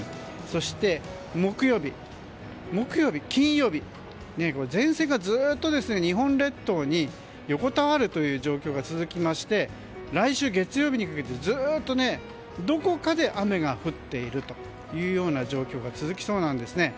そして木曜日、金曜日と前線が、ずっと日本列島に横たわる状況が続きまして来週月曜日にかけてずっとどこかで雨が降っているという状況が続きそうなんです。